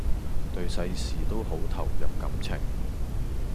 對世事都好投入感情⠀